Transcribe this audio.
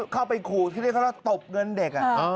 เข้าไปขู่ที่เรียกเขาว่าตบเงินเด็ก